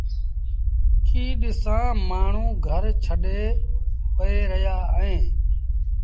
ڪيٚ ڏسآݩ مآڻهوٚݩ گھر ڇڏي وهي رهيآ اهيݩ